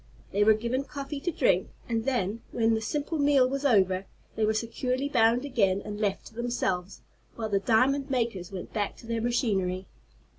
They were given coffee to drink, and then, when the simple meal was over, they were securely bound again, and left to themselves, while the diamond makers went back to their machinery.